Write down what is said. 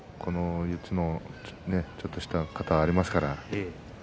四つのちょっとした型があります。